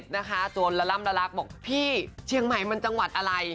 นะคะโซนละล่ำละลักบอกพี่เชียงใหม่มันจังหวัดอะไร